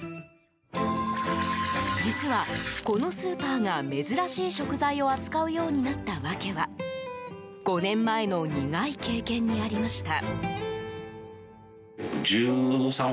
実は、このスーパーが珍しい食材を扱うようになった訳は５年前の苦い経験にありました。